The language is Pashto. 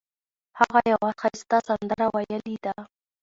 هغه یوه ښایسته سندره ویلې ده